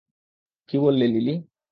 কী বললে, লিলি?